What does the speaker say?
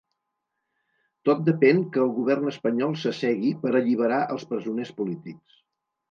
Tot depèn que el govern espanyol s’assegui per alliberar els presoners polítics.